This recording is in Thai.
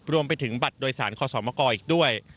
รวมไปถึงบัตรโดยสารขอสมกรอีกด้วย